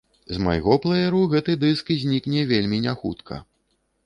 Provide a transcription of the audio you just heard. З майго плэеру гэты дыск знікне вельмі не хутка.